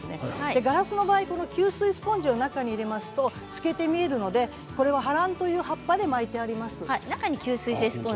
ガラスの場合、吸水スポンジを中に入れますと透けて見えますのでハランという葉っぱで巻いています。